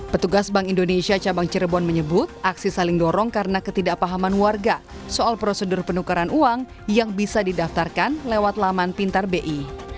petugas bank indonesia cabang cirebon menyebut aksi saling dorong karena ketidakpahaman warga soal prosedur penukaran uang yang bisa didaftarkan lewat laman pintar bi